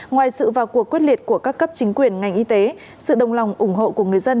ngoài sự vào cuộc quyết liệt của các cấp chính quyền ngành y tế sự đồng lòng ủng hộ của người dân